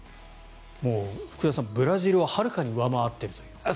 福田さん、ブラジルははるかに上回っている。